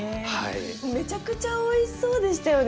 めちゃくちゃおいしそうでしたよね